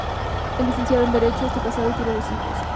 Es licenciado en derecho, está casado y tiene dos hijos.